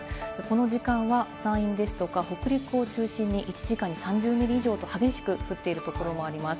この時間は山陰ですとか北陸を中心に１時間に３０ミリ以上と激しく降っているところもあります。